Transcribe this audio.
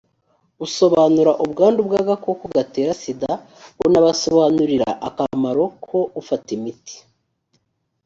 usobanure ubwandu bw’agakoko gatera sida unabasobanurira akamaro ko ufata imiti